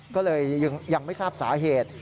ก็เลยยังไม่ทราบสาเหตุ